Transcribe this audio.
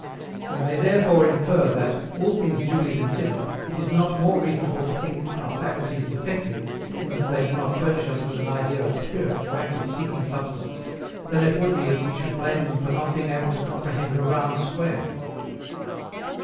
We may therefore infer that, all things duly considered, it is not more reasonable to think our faculties defective, in that they do not furnish us with an idea of spirit or active thinking substance, than it would be if we should blame them for not being able to comprehend a round square.